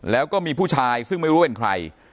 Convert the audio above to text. แล้วก็มีผู้ชายซึ่งไม่รู้เป็นใคร